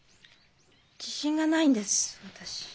自信がないんです私。